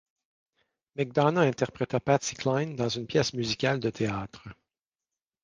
McDonough interpréta Patsy Cline dans une pièce musicale de théâtre.